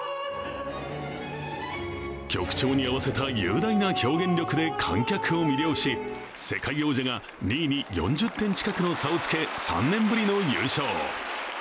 曲調に合わせた雄大な表現力で観客を魅了し世界王者が２位に４０点近くの差をつけ３年ぶりの優勝。